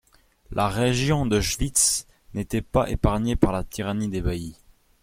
La région de Schwytz n’était pas épargnée par la tyrannie des baillis.